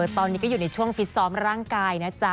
ตอนนี้ก็อยู่ในช่วงฟิตซ้อมร่างกายนะจ๊ะ